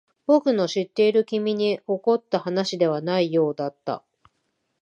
僕の知っている君に起こった話ではないようだった。